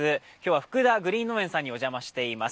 福田グリーン農園さんにお邪魔しています。